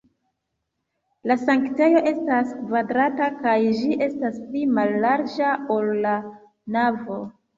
La sanktejo estas kvadrata kaj ĝi estas pli mallarĝa, ol la navo.